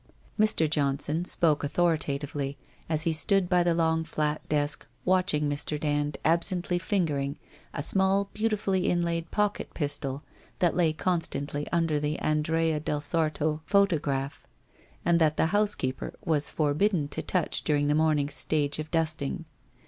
Mr. Johnson spoke authoritatively, as he stood by the long, flat desk, watching Mr. Dand absently fingering a small, beautifully inlaid pocket pistol that lay constantly under the Andrea del Sarto photograph, and that the housekeeper was forbidden to touch during the morning's stage of dusting.